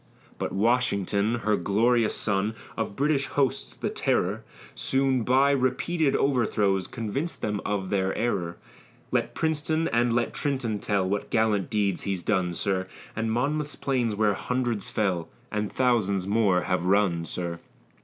But Washington, her glorious son, Of British hosts the terror, Soon, by repeated overthrows, Convinc'd them of their error; Let Princeton, and let Trenton tell, What gallant deeds he's done, sir, And Monmouth's plains where hundreds fell, And thousands more have run, sir.